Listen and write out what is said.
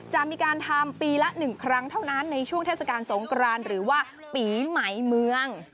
จะมีการทำปีละ๑ครั้งเท่านั้นในช่วงเทศกาลสงกรานหรือว่าปีใหม่เมือง